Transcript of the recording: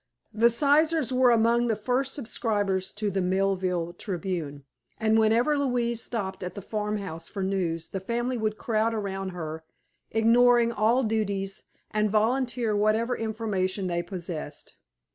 The Sizers were among the first subscribers to the Millville Tribune and whenever Louise stopped at the farmhouse for news the family would crowd around her, ignoring all duties, and volunteer whatever information they possessed.